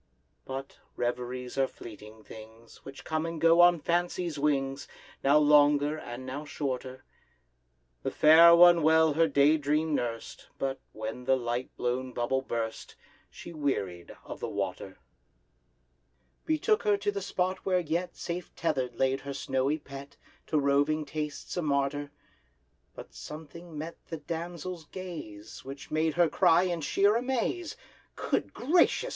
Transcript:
But reveries are fleeting things, Which come and go on Fancy's wings, Now longer, and now shorter: The Fair One well her day dream nurst, But, when the light blown bubble burst, She wearied of the water; Betook her to the spot where yet Safe tether'd lay her snowy pet, To roving tastes a martyr: But something met the damsel's gaze, Which made her cry in sheer amaze, "Good gracious!